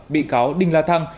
bị cáo đinh la thăng